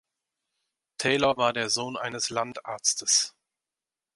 Taylor war der Sohn eines Landarztes.